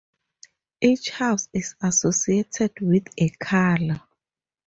Each house is associated with a colour.